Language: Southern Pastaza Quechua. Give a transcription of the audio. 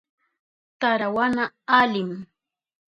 Tarawana alim.